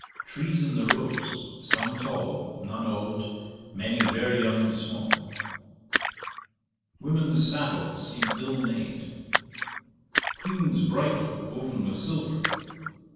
Trees in the roads, some tall, none old, many very young and small. 'Women's saddles seem ill made. Queen's bridle woven with silver.